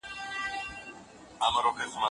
دموکراسي تر ديکتاتورۍ غوره ده.